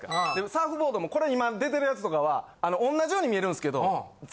サーフボードもこれ今出てるやつとかは同じように見えるんですけど。